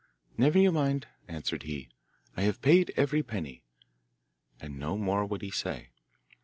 'Never you mind,' answered he. 'I have paid every penny,' and no more would he say.